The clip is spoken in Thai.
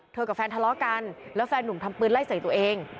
กับแฟนทะเลาะกันแล้วแฟนหนุ่มทำปืนไล่ใส่ตัวเอง